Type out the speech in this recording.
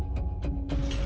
komunikasi kepala pembangunan